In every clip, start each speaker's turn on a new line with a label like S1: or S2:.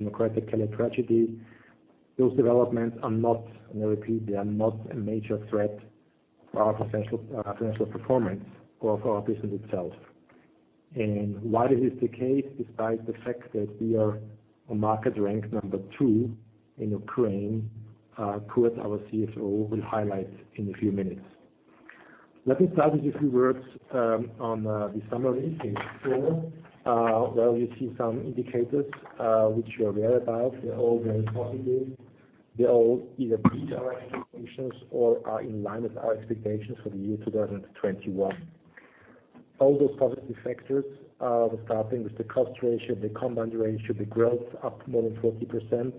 S1: Definitely a tragedy. Those developments are not, and I repeat, they are not a major threat for our potential financial performance or for our business itself. Why this is the case, despite the fact that we are a market ranked number two in Ukraine, Kurt, our CFO, will highlight in a few minutes. Let me start with a few words on the summary in full. Well, you see some indicators which you are aware about. They're all very positive. They all either beat our expectations or are in line with our expectations for the year 2021. All those positive factors starting with the cost ratio, the combined ratio, the growth up more than 40%,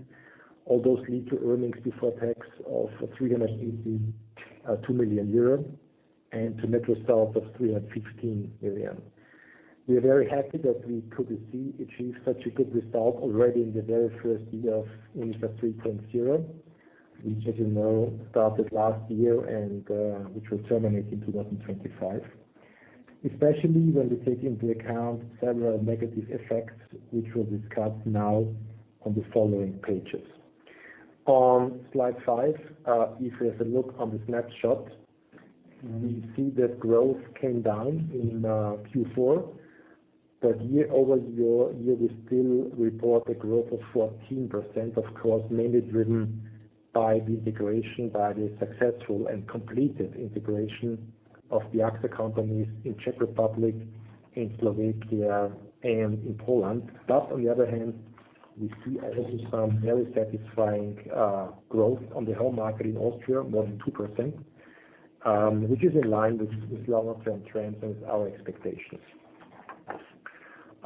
S1: all those lead to earnings before tax of [382] million euro and to net result of [315] million. We are very happy that we could achieve such a good result already in the very first year of UNIQA 3.0, which, as you know, started last year and which will terminate in 2025, especially when we take into account several negative effects, which we'll discuss now on the following pages. On slide five, if you have a look on the snapshot, we see that growth came down in Q4, but year over year we still report a growth of 14%, of course, mainly driven by the integration, by the successful and completed integration of the AXA companies in Czech Republic, in Slovakia, and in Poland. On the other hand, we see also some very satisfying growth on the home market in Austria, more than 2%, which is in line with longer-term trends and our expectations.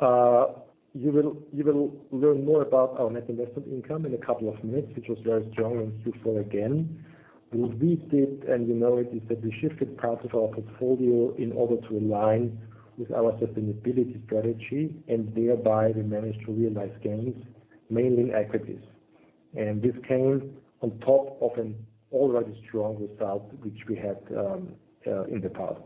S1: You will learn more about our net investment income in a couple of minutes, which was very strong in Q4 again. What we did, and you know it, is that we shifted part of our portfolio in order to align with our sustainability strategy, and thereby we managed to realize gains, mainly in equities. This came on top of an already strong result, which we had in the past.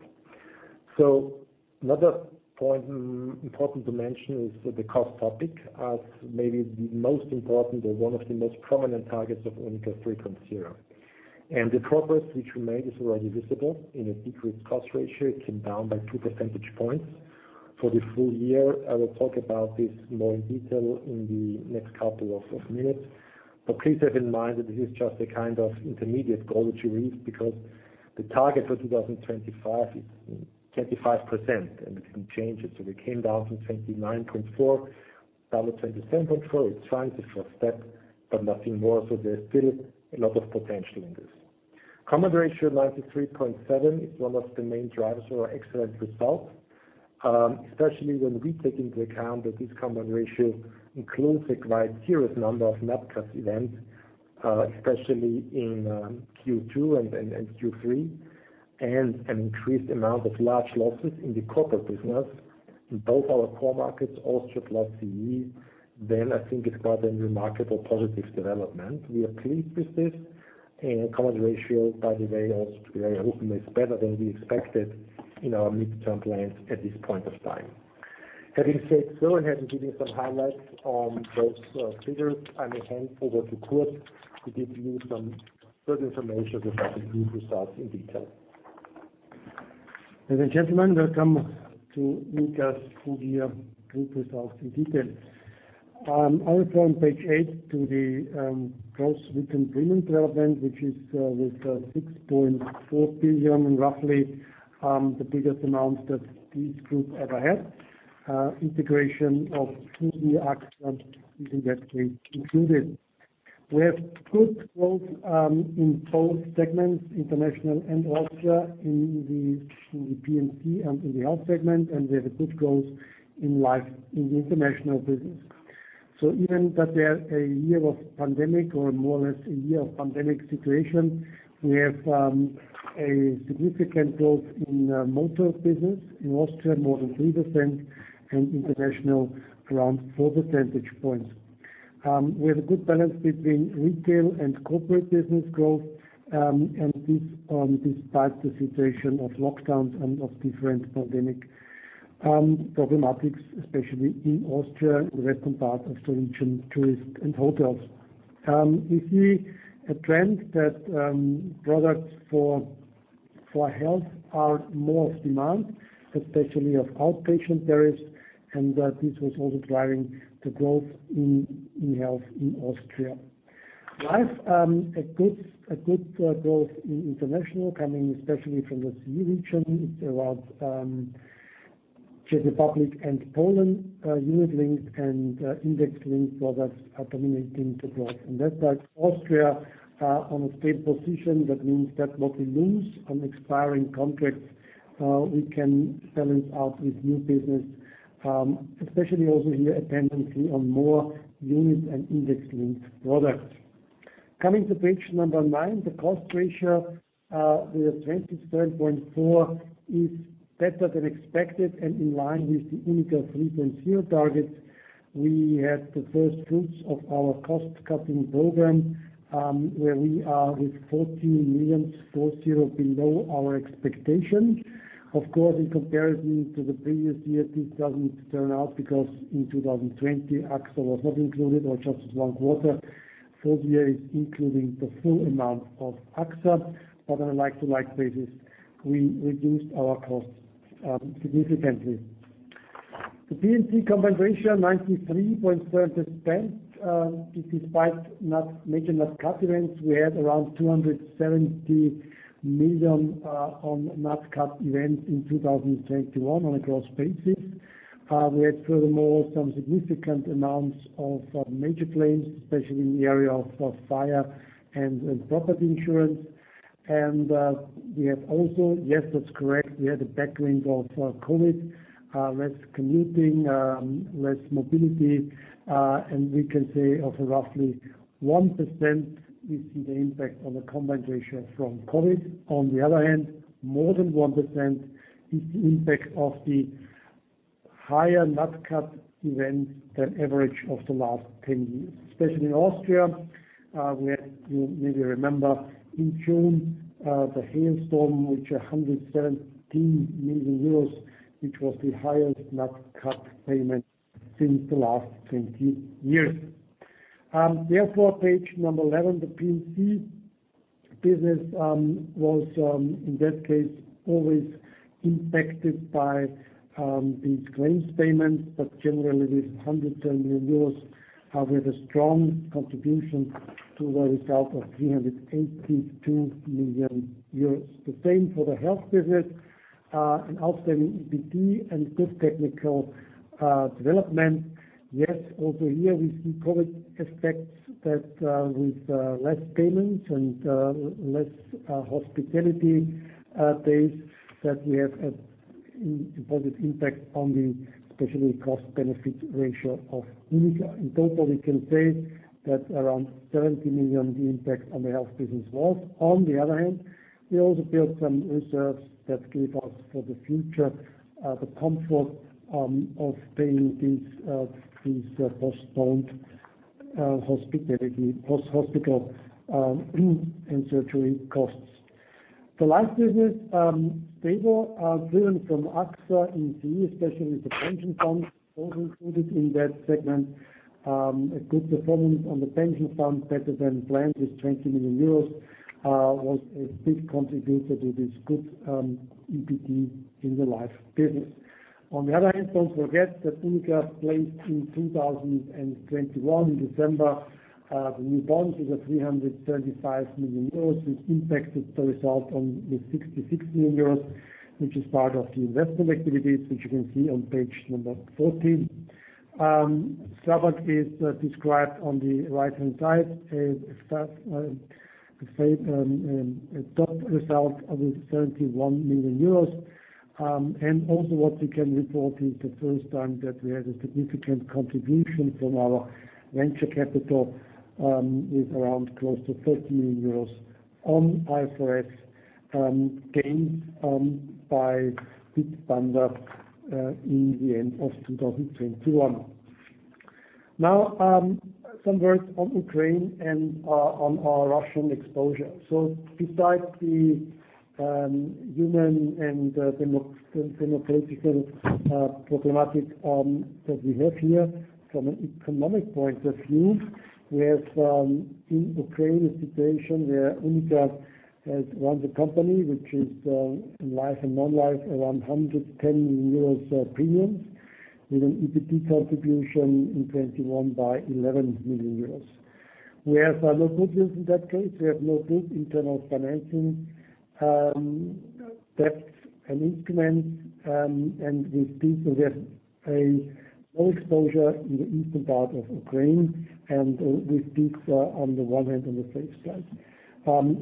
S1: Another point important to mention is the cost topic as maybe the most important or one of the most prominent targets of UNIQA 3.0. The progress which we made is already visible in a decreased cost ratio. It came down by 2 percentage points for the full year. I will talk about this more in detail in the next couple of minutes. Please have in mind that this is just a kind of intermediate goal that you reach because the target for 2025 is 25% and we can change it. We came down from 29.4%, down to 27.4%. It's fine, it's a first step, but nothing more. There's still a lot of potential in this. Combined ratio 93.7% is one of the main drivers for our excellent results, especially when we take into account that this combined ratio includes a quite serious number of natural events, especially in Q2 and Q3, and an increased amount of large losses in the corporate business in both our core markets, Austria plus CE. I think it's quite a remarkable positive development. We are pleased with this and combined ratio, by the way, also today ultimately is better than we expected in our midterm plans at this point of time. Having said so and having given some highlights on those figures, I may hand over to Kurt to give you some further information regarding group results in detail.
S2: Ladies and gentlemen, welcome to UNIQA's full year group results in detail. Also on page eight to the gross written premium development, which is with 6.4 billion, roughly, the biggest amount that this group ever had. Integration of CEE AXA is in that case included. We have good growth in both segments, international and Austria, in the P&C and in the health segment, and we have a good growth in life in the international business. Even that we are a year of pandemic or more or less a year of pandemic situation, we have a significant growth in motor business. In Austria more than 3% and international around 4 percentage points. We have a good balance between retail and corporate business growth, and this despite the situation of lockdowns and of different pandemic problematics, especially in Austria, the western part of the region, tourism and hotels. We see a trend that products for health are in more demand, especially in outpatient areas, and that this was also driving the growth in health in Austria. Life, a good growth in international coming especially from the CE region. It's around Czech Republic and Poland. Unit-linked and index-linked products are dominating the growth. In Austria, on a stable position, that means that what we lose on expiring contracts we can balance out with new business, especially also here a tendency towards more unit-linked and index-linked products. Coming to page number nine, the cost ratio with a 27.4% is better than expected and in line with the UNIQA 3.0 targets. We had the first fruits of our cost-cutting program, where we are with 14.4 million below our expectation. Of course, in comparison to the previous year, this doesn't turn out because in 2020, AXA was not included or just one quarter. Full year is including the full amount of AXA. On a like-for-like basis, we reduced our costs significantly. The P&C combined ratio, 93.7%, despite NatCat events, we had around 270 million on NatCat events in 2021 on a gross basis. We had, furthermore, some significant amounts of major claims, especially in the area of fire and property insurance. Yes, that's correct. We had a tailwind of COVID, less commuting, less mobility, and we can say of roughly 1% we see the impact on the combined ratio from COVID. On the other hand, more than 1% is the impact of the higher NatCat events than average of the last 10 years. Especially in Austria, we had, you maybe remember in June, the hailstorm, which 117 million euros, which was the highest NatCat payment since the last 20 years. Therefore, page 11, the P&C business was, in that case, always impacted by these claims payments, but generally, with 110 million euros, we have a strong contribution to the result of 382 million euros. The same for the health business, an outstanding EBT and good technical development. Yes, also here we see COVID aspects that with less payments and less hospital days that we have a positive impact on the especially cost-benefit ratio of UNIQA. In total, we can say that around 70 million, the impact on the health business was. On the other hand, we also built some reserves that give us for the future the comfort of paying these these postponed hospital post-hospital and surgery costs. The life business stable, driven from AXA in CEE, especially with the pension fund, also included in that segment, a good performance on the pension fund, better than planned, with 20 million euros was a big contributor to this good EBT in the life business. On the other hand, don't forget that UNIQA placed in 2021, in December, the new bond with 335 million euros, which impacted the result by 66 million euros. Which is part of the investment activities, which you can see on page 14. Seventh is described on the right-hand side as a top result of 71 million euros. And also what we can report is the first time that we had a significant contribution from our venture capital, with around close to 30 million euros on IFRS gained by Bitpanda in the end of 2021. Now, some words on Ukraine and on our Russian exposure. Besides the human and demographical problems that we have here, from an economic point of view, we have in Ukraine a situation where UNIQA has run the company, which is life and non-life, around 110 million euros premiums, with an EBT contribution in 2021 of 11 million euros. We have no business in that case. We have no big internal financing debts and instruments, and with this, we have a low exposure in the eastern part of Ukraine, and with this, on the one hand on the safe side.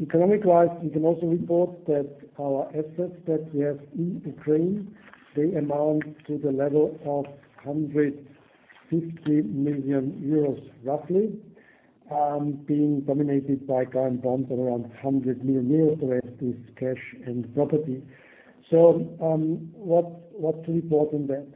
S2: Economic-wise, we can also report that our assets that we have in Ukraine, they amount to the level of 150 million euros, roughly, being dominated by current bonds at around 100 million euros. The rest is cash and property. What to report on that?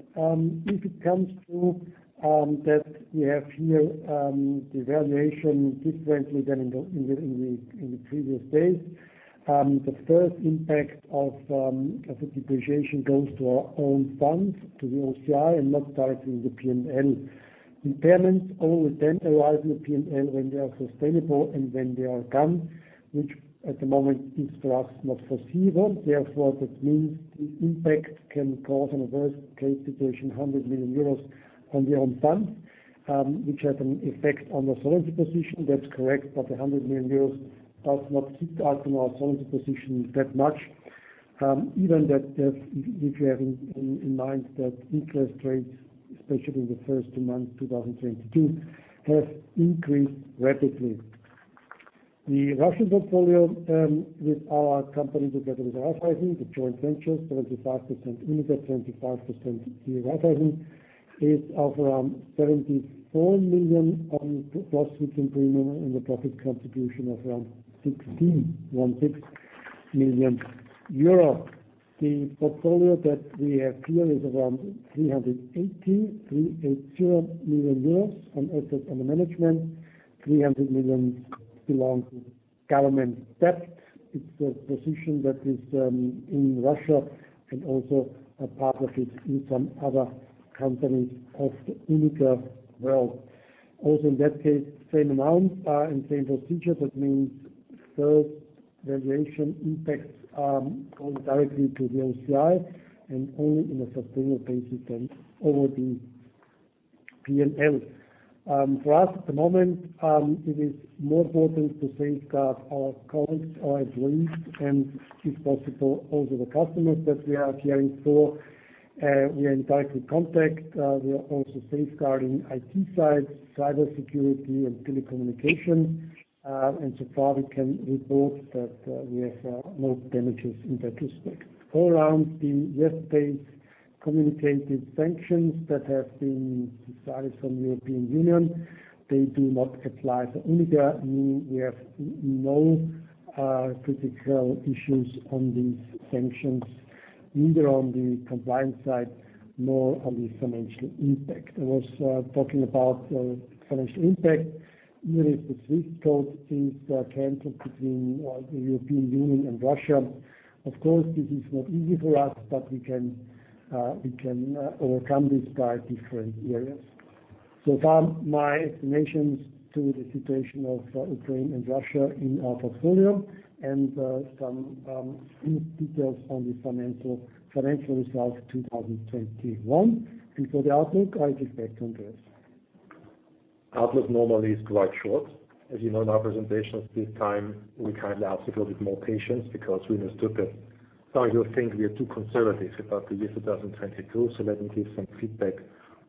S2: If it comes to that we have here the valuation differently than in the previous days, the first impact of asset depreciation goes to our own funds, to the OCI, and not directly in the P&L. Impairments only then arrive in the P&L when they are sustainable and when they are done, which at the moment is for us not foreseeable. Therefore, that means the impact can cause, in a worst-case situation, 100 million euros on our own funds, which has an effect on the solvency position. That's correct. The 100 million euros does not kick out on our solvency position that much. Even if you have in mind that interest rates, especially in the first two months, 2022, have increased rapidly. The Russian portfolio with our company, together with Raiffeisen, the joint ventures, 75% UNIQA, 25% Raiffeisen, is of around 74 million on gross written premium and a profit contribution of around 16 million euro. The portfolio that we have here is around 380 million euros on assets under management, 300 million belongs to government debt. It's a position that is in Russia and also a part of it in some other companies of the UNIQA world. Also, in that case, same amount and same procedure. That means first valuation impacts go directly to the OCI and only on a sustainable basis and over the P&L. For us at the moment, it is more important to safeguard our colleagues, our employees, and if possible, also the customers that we are caring for. We are in direct contact. We are also safeguarding IT sites, cyber security, and telecommunications. So far we can report that we have no damages in that respect. All around the yesterday's communicated sanctions that have been decided from European Union, they do not apply to UNIQA, meaning we have no critical issues on these sanctions, neither on the compliance side nor on the financial impact. I was talking about financial impact. Even if the SWIFT code is canceled between the European Union and Russia, of course, this is not easy for us, but we can overcome this by different areas. So far my explanations to the situation of Ukraine and Russia in our portfolio and some few details on the financial results 2021. Before the outlook, I give back to Andreas.
S1: Outlook normally is quite short. As you know, in our presentations this time, we kindly ask you for a bit more patience because we understood that some of you think we are too conservative about the year 2022. Let me give some feedback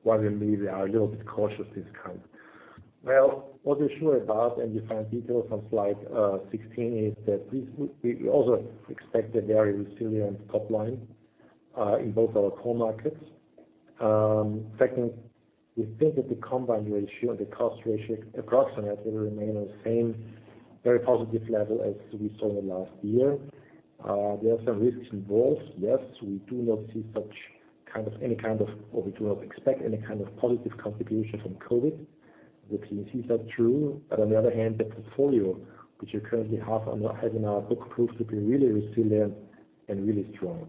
S1: why we maybe are a little bit cautious this time. Well, what we're sure about, and you find details on slide 16, is that we also expect a very resilient top line in both our core markets. Second, we think that the combined ratio and the cost ratio approximately will remain on the same very positive level as we saw in the last year. There are some risks involved. Yes, we do not expect any kind of positive contribution from COVID. That we see that through. On the other hand, the portfolio, which we currently have in our book, proves to be really resilient and really strong.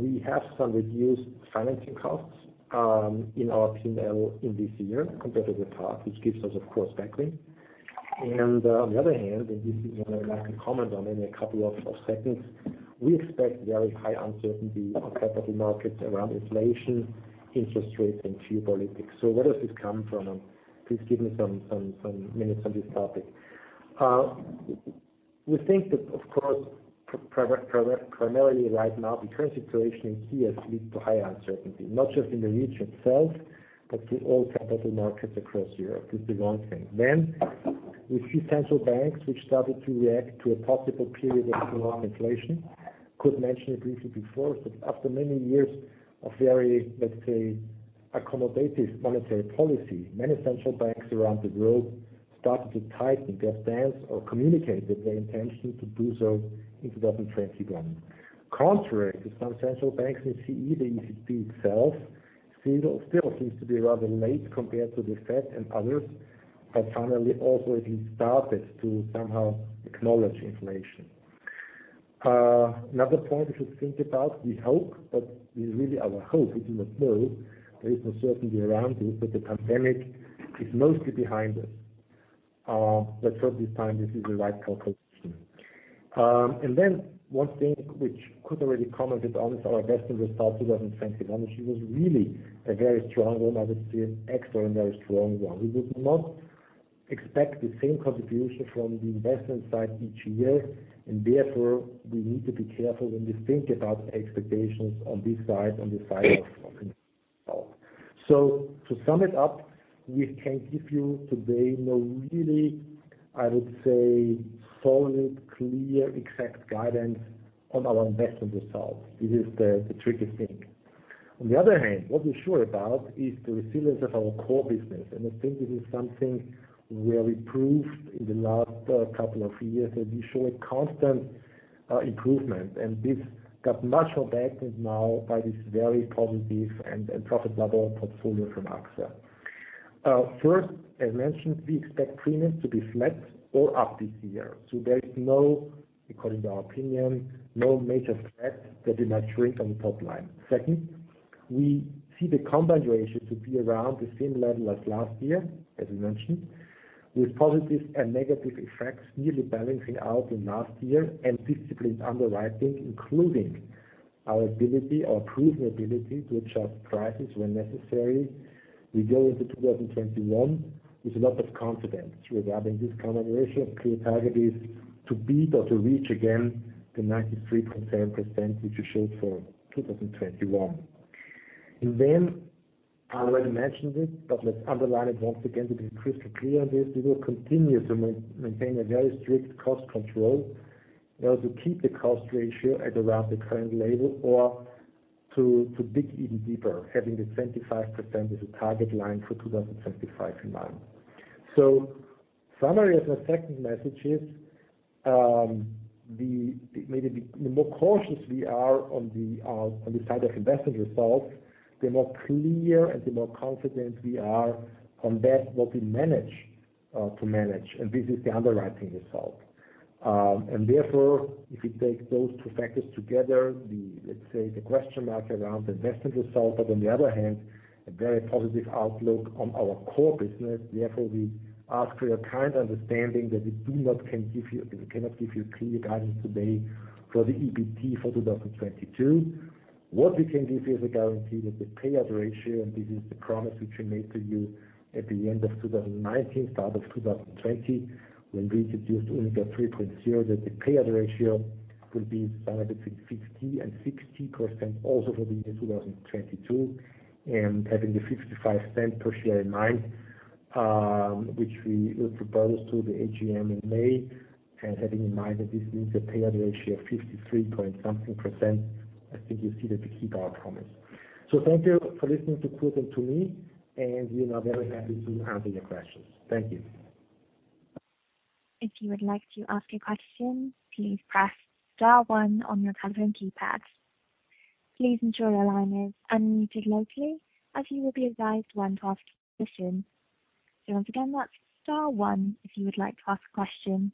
S1: We have some reduced financing costs in our P&L in this year compared to the past, which gives us of course back then. On the other hand, this is one I can comment on in a couple of seconds, we expect very high uncertainty on capital markets around inflation, interest rates, and geopolitics. Where does this come from? Please give me some minutes on this topic. We think that of course, primarily right now, the current situation in Kyiv leads to high uncertainty, not just in the region itself, but to all capital markets across Europe. This is one thing. With few central banks which started to react to a possible period of prolonged inflation, could mention it briefly before. After many years of very, let's say, accommodative monetary policy, many central banks around the globe started to tighten their stance or communicate their intention to do so in 2021. Contrary to some central banks in CEE, the ECB itself still seems to be rather late compared to the Fed and others, but finally also at least started to somehow acknowledge inflation. Another point we should think about, we hope, but we really hope, we do not know. There is no certainty around it, but the pandemic is mostly behind us. Let's hope this time this is the right calculation. One thing which I could already comment on our investment results, 2021, which was really a very strong one. I would say an extraordinarily strong one. We would not expect the same contribution from the investment side each year, and therefore we need to be careful when we think about expectations on this side, on the side of investment results. To sum it up, we can give you today no really, I would say, solid, clear, exact guidance on our investment results. This is the tricky thing. On the other hand, what we're sure about is the resilience of our core business. I think this is something where we proved in the last couple of years that we show a constant improvement. This got much more backed now by this very positive and profitable portfolio from AXA. First, I mentioned we expect premiums to be flat or up this year. There is no, according to our opinion, no major threat that we might shrink on the top line. Second, we see the combined ratio to be around the same level as last year, as we mentioned, with positives and negative effects nearly balancing out in last year and disciplined underwriting, including our ability, our proven ability to adjust prices when necessary. We go into 2021 with a lot of confidence regarding this combination. Our clear target is to beat or to reach again the 93.7%, which we showed for 2021. I already mentioned it, but let's underline it once again to be crystal clear on this. We will continue to maintain a very strict cost control in order to keep the cost ratio at around the current level or to dig even deeper, having the 25% as a target line for 2025 now. Summary of the second message is. Maybe the more cautious we are on the side of investment results, the more clear and the more confident we are on that what we manage to manage. This is the underwriting result. Therefore, if you take those two factors together, let's say the question mark around investment results, but on the other hand, a very positive outlook on our core business. Therefore, we ask for your kind understanding that we cannot give you clear guidance today for the EBT for 2022. What we can give you as a guarantee that the payout ratio, and this is the promise which we made to you at the end of 2019, start of 2020, when we introduced UNIQA 3.0, that the payout ratio will be somewhere between 50% and 60% also for the year 2022. Having the 0.55 per share in mind, which we will propose to the AGM in May. Having in mind that this means a payout ratio of 53 something%. I think you see that we keep our promise. Thank you for listening to Kurt and to me, and we are now very happy to answer your questions. Thank you.
S3: If you would like to ask a question, please press star one on your telephone keypad. Please ensure your line is unmuted locally, as you will be advised when to ask your question. Once again, that's star one if you would like to ask a question.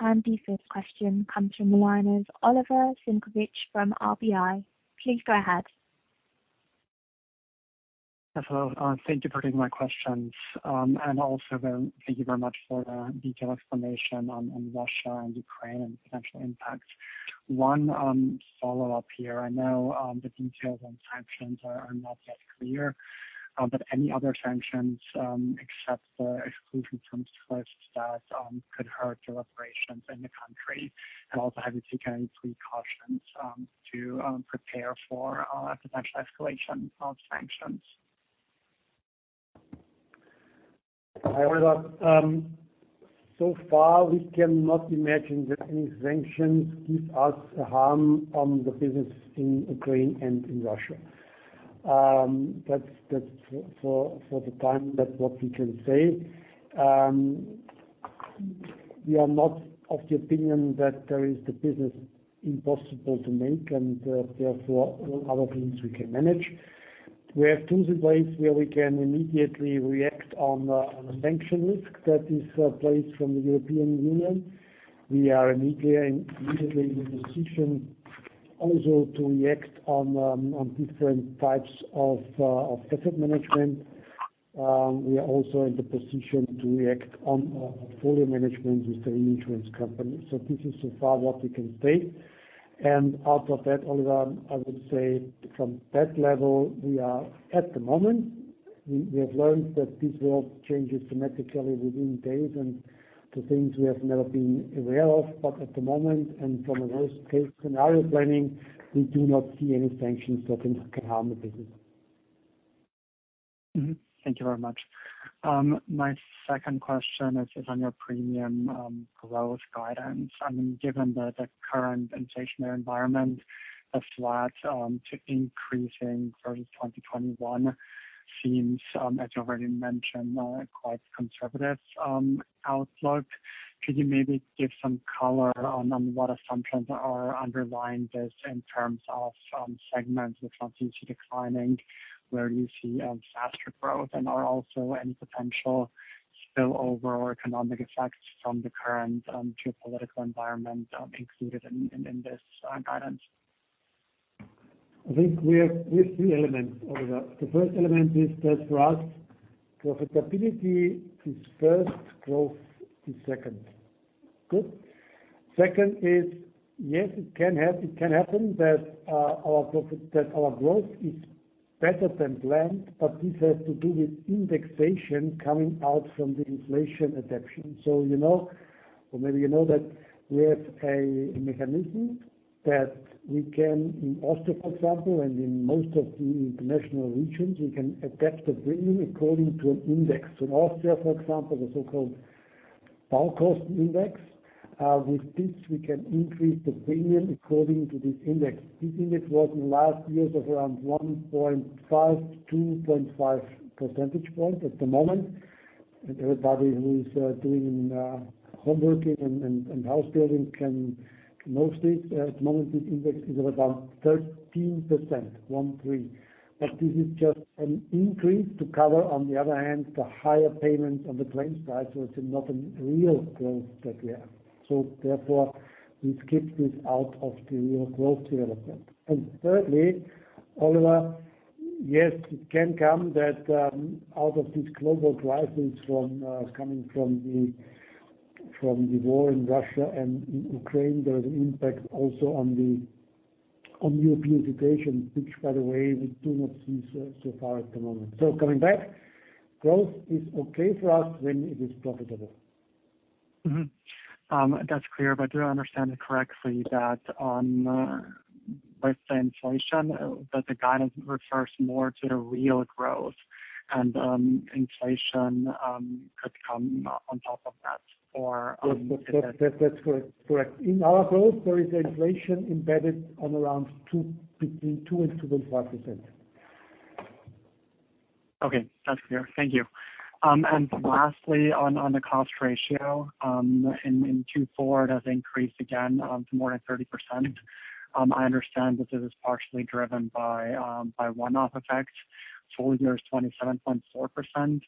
S3: The first question comes from the line of Oliver Simkovic from RBI. Please go ahead.
S4: Hello. Thank you for taking my questions. Also thank you very much for the detailed explanation on Russia and Ukraine and potential impact. One follow-up here. I know the details on sanctions are not yet clear, but any other sanctions except the exclusion from SWIFT that could hurt your operations in the country? Also, have you taken any precautions to prepare for potential escalation of sanctions?
S2: Hi, Oliver. So far, we cannot imagine that any sanctions give us harm on the business in Ukraine and in Russia. That's for the time being what we can say. We are not of the opinion that there is the business impossible to make, and therefore, all other things we can manage. We have tools in place where we can immediately react on a sanction risk that is placed from the European Union. We are immediately in the position also to react on different types of asset management. We are also in the position to react on portfolio management with the insurance company. This is so far what we can state. Out of that, Oliver, I would say from that level, we are at the moment we have learned that this world changes dramatically within days and to things we have never been aware of. At the moment, and from a worst case scenario planning, we do not see any sanctions that can harm the business.
S4: Mm-hmm. Thank you very much. My second question is on your premium growth guidance. I mean, given the current inflationary environment, a flat to increase versus 2021 seems, as you already mentioned, quite conservative outlook. Could you maybe give some color on what assumptions are underlying this in terms of segments which continues declining? Where do you see faster growth and are also any potential spillover or economic effects from the current geopolitical environment included in this guidance?
S2: I think we have three elements, Oliver. The first element is that for us, profitability is first, growth is second. Good. Second is, yes, it can happen that our profit, that our growth is better than planned, but this has to do with indexation coming out from the inflation adaptation. So you know, or maybe you know that we have a mechanism that we can in Austria, for example, and in most of the international regions, we can adapt the premium according to an index. So in Austria, for example, the so-called bulk cost index, with this, we can increase the premium according to this index. This index was in the last years around 1.5-2.5 percentage points at the moment. Everybody who is doing home working and house building can know this. At the moment, this index is at about 13%. 1 3. This is just an increase to cover, on the other hand, the higher payment on the claims side. It's not a real growth that we have. Therefore, we keep this out of the real growth development. Thirdly, Oliver, yes, it can come that out of these global crisis from coming from the war in Russia and in Ukraine, there is an impact also on the European inflation, which by the way, we do not see so far at the moment. Coming back, growth is okay for us when it is profitable.
S4: Mm-hmm. That's clear, but do I understand it correctly that with the inflation that the guidance refers more to the real growth and inflation could come on top of that or?
S2: That's correct. In our growth, there is inflation embedded in between 2% and 2.5%.
S4: Okay. That's clear. Thank you. Lastly, on the cost ratio, in 4, it has increased again to more than 30%. I understand this is partially driven by one-off effects. Full year is 27.4%,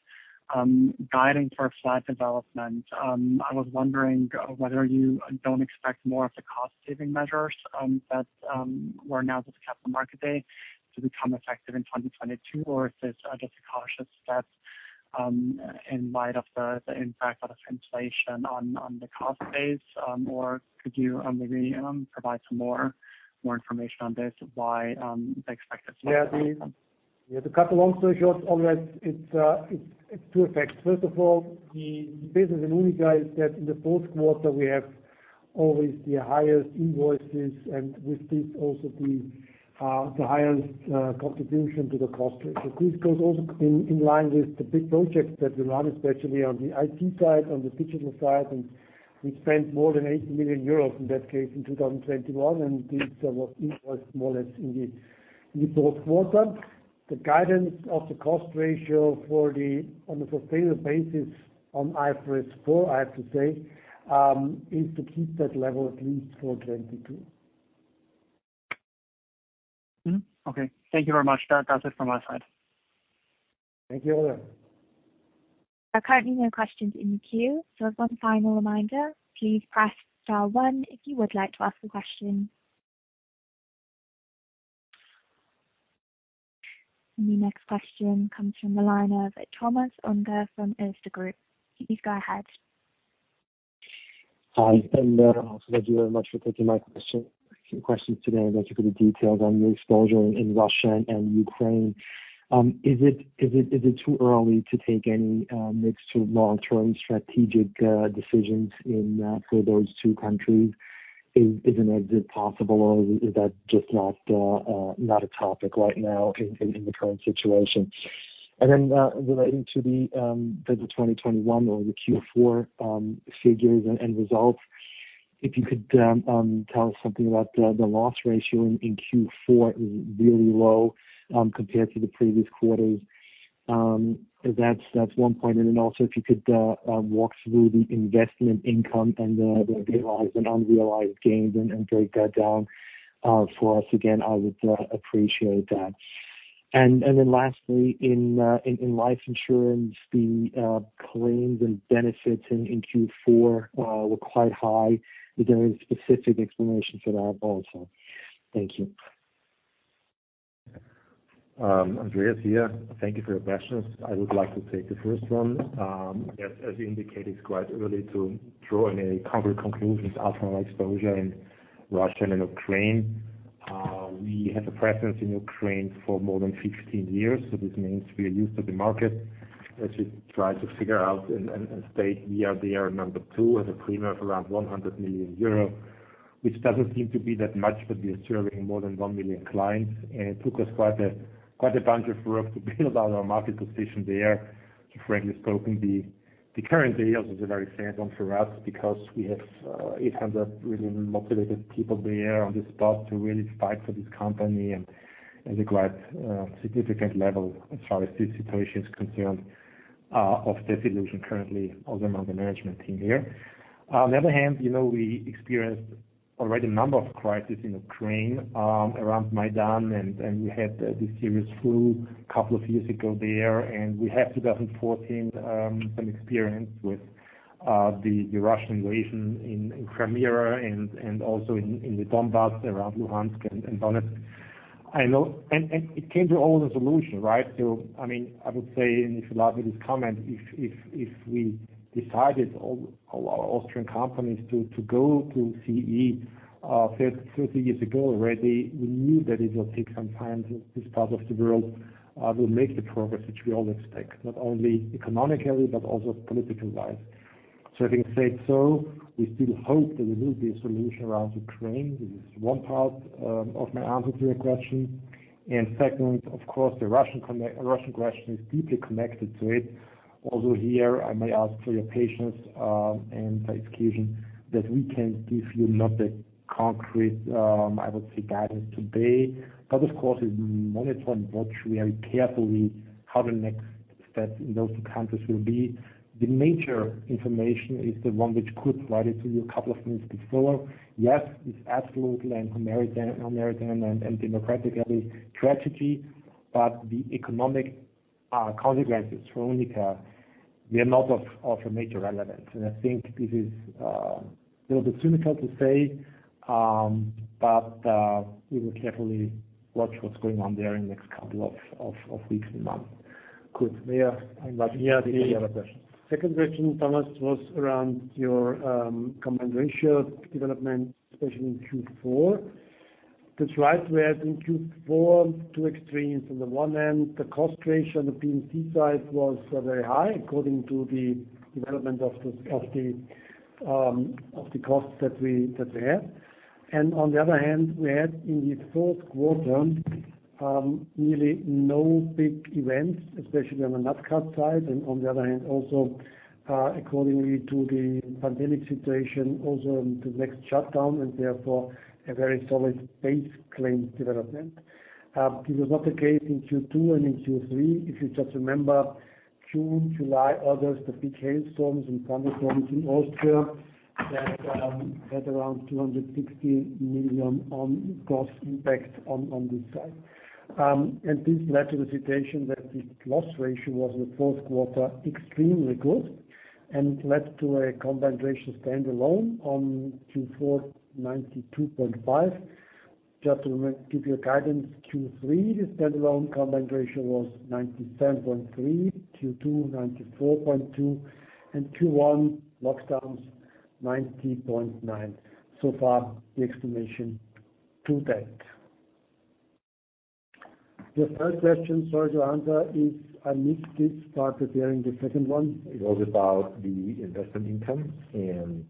S4: guiding for a flat development. I was wondering whether you don't expect more of the cost saving measures that were announced at the Capital Markets Day to become effective in 2022, or is this just a cautious step in light of the impact of the translation on the cost base? Or could you maybe provide some more information on this, why the expected?
S2: Yeah. To cut a long story short, it's two effects. First of all, the business in UNIQA is that in the fourth quarter we have always the highest invoices, and with this also the highest contribution to the cost ratio. This goes also in line with the big projects that we run, especially on the IT side, on the digital side, and we spent more than 80 million euros in that case in 2021, and this was invoiced more or less in the fourth quarter. The guidance of the cost ratio on a sustainable basis on IFRS four, I have to say, is to keep that level at least for 2022.
S4: Okay. Thank you very much. That's it from my side.
S2: Thank you, Oliver.
S3: There are currently no questions in the queue, so one final reminder, please press star one if you would like to ask a question. The next question comes from the line of Thomas Unger from Erste Group. Please go ahead.
S5: Hi. Thank you very much for taking my question, two questions today. Thank you for the details on your exposure in Russia and Ukraine. Is it too early to take any mid- to long-term strategic decisions in for those two countries? Is an exit possible or is that just not a topic right now in the current situation? Relating to the 2021 or the Q4 figures and results, if you could tell us something about the loss ratio in Q4. It is really low compared to the previous quarters. That's one point. Also if you could walk through the investment income and the realized and unrealized gains and break that down for us again, I would appreciate that. Lastly, in life insurance, the claims and benefits in Q4 were quite high. Is there any specific explanation for that also? Thank you.
S1: Andreas here. Thank you for your questions. I would like to take the first one. Yes, as you indicated, it's quite early to draw any concrete conclusions as for our exposure in Russia and in Ukraine. We have a presence in Ukraine for more than 16 years, so this means we are used to the market. As we try to figure out and state, we are there number two as a premium of around 100 million euro, which doesn't seem to be that much, but we are serving more than 1 million clients, and it took us quite a bunch of work to build out our market position there. Frankly spoken, the current day also is a very sad one for us because we have 800 really motivated people there on the spot to really fight for this company and a quite significant level as far as this situation is concerned of the solution currently also among the management team here. On the other hand, you know, we experienced already a number of crises in Ukraine around Maidan, and we had the serious flu a couple of years ago there. We had in 2014 some experience with the Russian invasion in Crimea and also in the Donbas around Luhansk and Donetsk. I know it came to all the solution, right? I mean, I would say, if you allow me this comment, if we decided all our Austrian companies to go to CEE 30 years ago already, we knew that it will take some time for this part of the world to make the progress which we all expect, not only economically, but also politically. Having said so, we still hope that there will be a solution around Ukraine. This is one part of my answer to your question. Second, of course, the Russian question is deeply connected to it. Also here, I may ask for your patience, and the explanation that we cannot give you the concrete, I would say, guidance today. But of course, we monitor and watch very carefully how the next steps in those two countries will be. The major information is the one which Kurt provided to you a couple of minutes before. Yes, it's absolutely an American and democratic strategy, but the economic consequences for UNIQA, they are not of a major relevance. I think this is a little bit too difficult to say, but we will carefully watch what's going on there in the next couple of weeks and months. Kurt Svoboda, I invite you to take the other question.
S2: Yeah. The second question, Thomas, was around your combined ratio development, especially in Q4. That's right. We had in Q4 two extremes. On the one hand, the cost ratio on the P&C side was very high according to the development of the costs that we had. On the other hand, we had in the fourth quarter really no big events, especially on the NatCat side. On the other hand, also, according to the pandemic situation, also the next shutdown and therefore a very solid base claims development. It was not the case in Q2 and in Q3. If you just remember June, July, August, the big hailstorms and thunderstorms in Austria that had around 260 million on gross impact on this side. This led to a situation that the loss ratio was in the fourth quarter extremely good and led to a combined ratio stand-alone on Q4 92.5%. Just to give you a guidance, Q3 stand-alone combined ratio was 97.3%, Q2 94.2%, and Q1 lockdowns 90.9%. So far the explanation to that. The third question, sorry to answer, is I missed it, but preparing the second one.
S1: It was about the investment income and.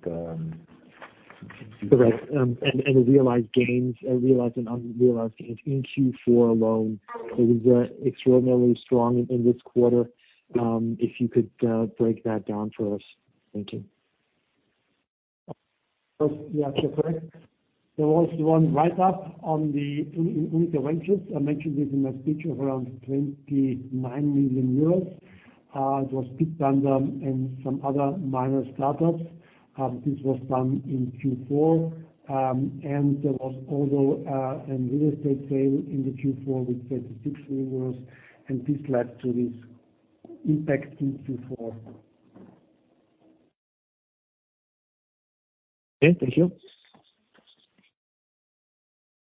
S5: Correct. Realized and unrealized gains in Q4 alone. It was extraordinarily strong in this quarter. If you could break that down for us. Thank you.
S2: First, yeah, you're correct. There was one write-up on the investment in UNIQA Ventures. I mentioned this in my speech of around 29 million euros. It was in Bitpanda and some other minor startups. This was done in Q4. There was also a real estate sale in Q4 with 36 million euros. This led to this impact in Q4.
S5: Okay. Thank you.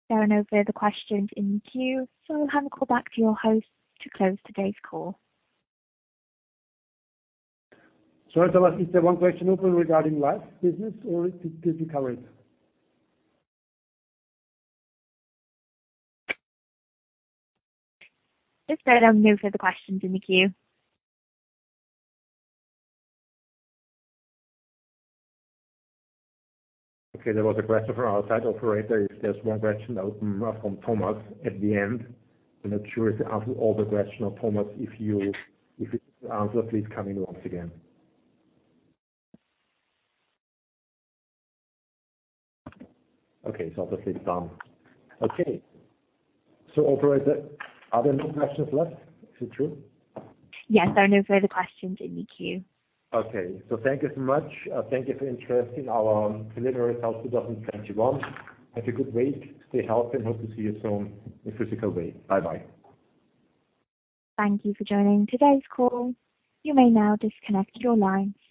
S3: There are no further questions in the queue, so I'll hand the call back to your host to close today's call.
S2: Sorry, Thomas, is there one question open regarding life business or it? This is covered?
S3: Just that I've no further questions in the queue.
S1: Okay. There was a question from our site operator. If there's one question open from Thomas at the end. I'm not sure if you answered all the question of Thomas. If it's answered, please come in once again. Okay. It's obviously done. Okay. Operator, are there no questions left? Is it true?
S3: Yes. There are no further questions in the queue.
S1: Okay. Thank you so much. Thank you for your interest in our preliminary results 2021. Have a good week. Stay healthy and hope to see you soon in a physical way. Bye-bye.
S3: Thank you for joining today's call. You may now disconnect your lines.